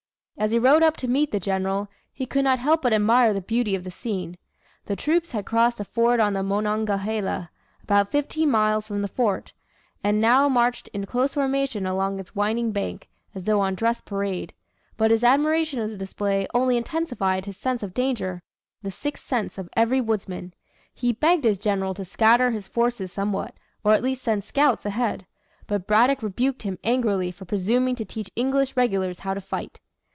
As he rode up to meet the general, he could not help but admire the beauty of the scene. The troops had crossed a ford on the Monongahela, about fifteen miles from the fort, and now marched in close formation along its winding bank, as though on dress parade. But his admiration of the display only intensified his sense of danger the sixth sense of every woodsman. He begged his general to scatter his forces somewhat, or at least send scouts ahead. But Braddock rebuked him angrily for presuming to teach English regulars how to fight.